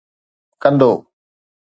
ڪندو